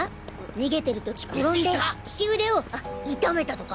逃げてる時転んで利き腕を痛めたとか。